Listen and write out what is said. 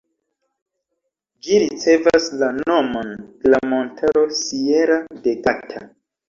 Ĝi ricevas la nomon de la montaro Sierra de Gata.